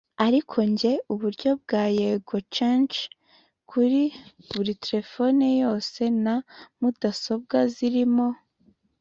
Ariko njye uburyo bwa ‘Yego Charger’ kuri buri telefoni yose na mudasobwa zirimo